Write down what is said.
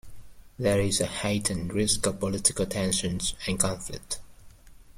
There is a heightened risk of political tension and conflict.